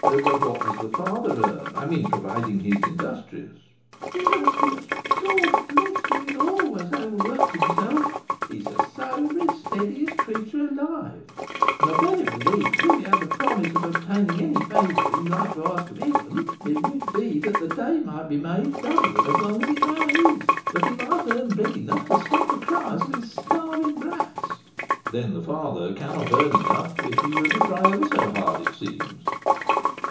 "But what does the father earn, I mean, provided he is industrious?" "Industrious! God bless you, he has always overworked himself; he is the soberest, steadiest creature alive; and I verily believe that if he had the promise of obtaining any favour he liked to ask of Heaven, it would be that the day might be made doubly as long as it now is, that he might earn bread enough to stop the cries of his starving brats." "Then the father cannot earn enough if he were to try ever so hard, it seems?"